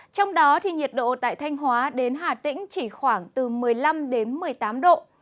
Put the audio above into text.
trong đó nhiệt độ tại thanh hóa đến hà tĩnh chỉ khoảng từ một mươi năm đến một mươi tám độ